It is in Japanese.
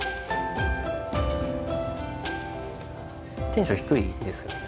テンション低いですよね。